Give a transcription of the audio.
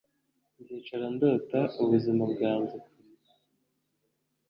nzicara ndota ubuzima bwanjye kure.